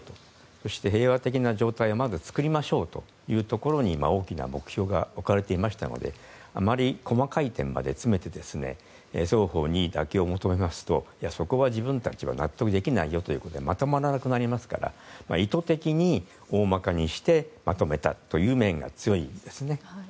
そして平和的な状態をまず作りましょうというところに大きな目標が置かれていましたのであまり細かい点まで詰めて双方に妥協を求めますといや、そこは自分たちは納得できないよということでまとまらなくなりますから意図的に、大まかにしてまとめたという面が強いんですね。